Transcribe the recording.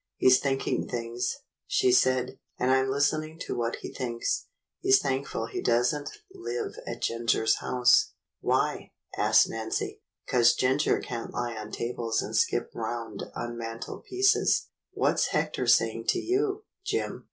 "He's thinking things," she said, "and I'm listening to what he thinks. He's thankful he does n't hve at Ginger's house." "Why.?" asked Nancy. "'Cause Ginger can't lie on tables and skip round on mantelpieces. What's Hector saying to you, Jim.?"